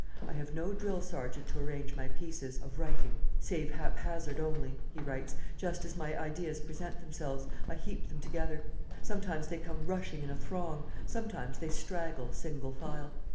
"I have no drill sergeant to arrange my pieces (of writing) save hap hazard only," he writes; "just as my ideas present themselves, I heap them together; sometimes they come rushing in a throng, sometimes they straggle single file.